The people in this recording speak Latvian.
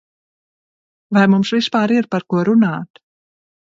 Vai mums vispār ir par ko runāt?